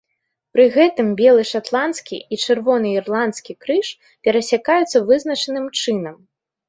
Пры гэтым белы шатландскі і чырвоны ірландскі крыж перасякаюцца вызначаным чынам.